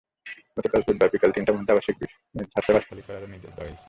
গতকাল বুধবার বিকেল তিনটার মধ্যে আবাসিক ছাত্রাবাস খালি করারও নির্দেশ দেওয়া হয়েছে।